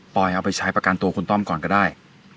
เอาไปใช้ประกันตัวคุณต้อมก่อนก็ได้